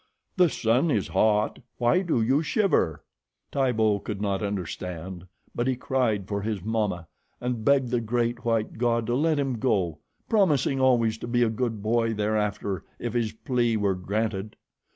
"The sun is hot; why do you shiver?" Tibo could not understand; but he cried for his mamma and begged the great, white god to let him go, promising always to be a good boy thereafter if his plea were granted.